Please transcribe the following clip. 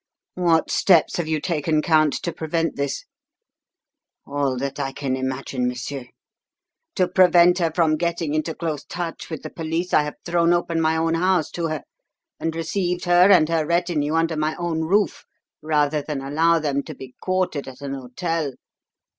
What steps have you taken, Count, to prevent this?" "All that I can imagine, monsieur. To prevent her from getting into close touch with the public, I have thrown open my own house to her, and received her and her retinue under my own roof rather than allow them to be quartered at an hotel.